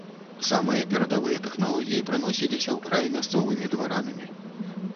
Самыя перадавыя тэхналогіі прыносіліся ў край мясцовымі дваранамі.